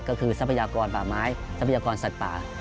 ก็คือทรัพยากรป่าไม้ทรัพยากรสัตว์ป่า